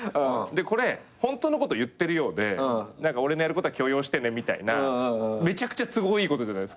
でこれホントのこと言ってるようで俺のやることは許容してねみたいなめちゃくちゃ都合いいことじゃないですか。